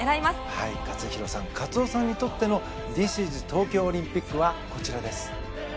はい克央さんカツオさんにとってのＴｈｉｓｉｓ東京オリンピックはこちらです。